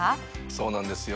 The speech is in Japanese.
そうなんですよ。